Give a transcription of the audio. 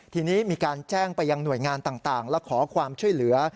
ทีนี้มีการแจ้งไปยังหน่วยงานต่างและขอความช่วยเหลือ